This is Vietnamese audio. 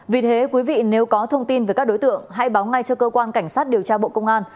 vì thế quý vị nếu có thông tin về các đối tượng hãy báo ngay cho cơ quan cảnh sát điều tra bộ công an